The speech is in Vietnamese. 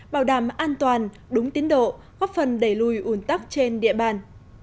bảo đảm an toàn đúng tiến độ góp phần đẩy lùi ủn tắc trên địa bàn